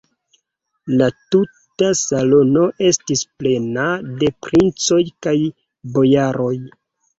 La tuta salono estis plena de princoj kaj bojaroj.